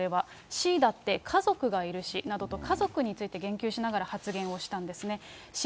Ｃだって、家族がいるしなどと、家族について言及しながら発言をしたんですね。